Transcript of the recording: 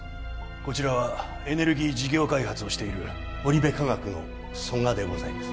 こちらはエネルギー事業開発をしているオリベ化学の蘇我でございます